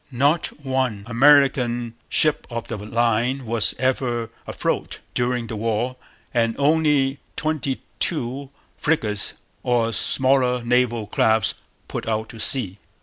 Not one American ship of the line was ever afloat during the war; and only twenty two frigates or smaller naval craft put out to sea.